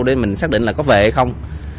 để mình xác định là có về hay không